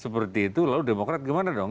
seperti itu lalu demokrat gimana dong